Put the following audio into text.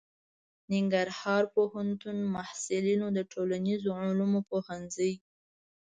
ننګرهار پوهنتون محصلینو د ټولنیزو علومو پوهنځي